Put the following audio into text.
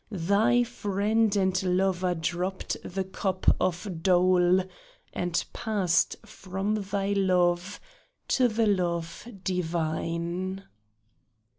Thy friend and lover dropped the cup of dole. And passed from thy love to the Love Divine